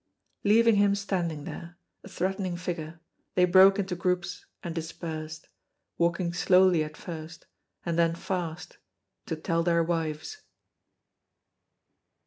Leaving him standing there, a threatening figure, they broke into groups and dispersed, walking slowly at first, and then fast, to tell their wives.